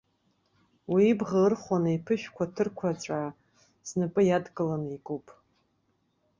Уи ибӷа ырхәаны, иԥышәқәа ҭырқәацәаа снапы иадкыланы икуп.